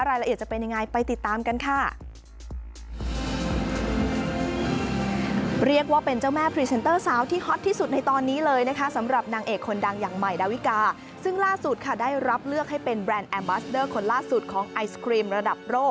รายละเอียดจะเป็นยังไงไปติดตามกันค่ะ